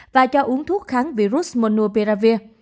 và cho uống thuốc kháng virus monopiravir